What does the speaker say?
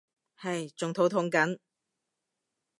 唉仲肚痛緊